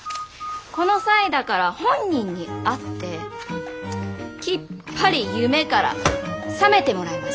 この際だから本人に会ってきっぱり夢から覚めてもらいましょ。